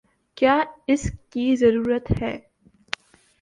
کیا اس کی ضرورت ہے؟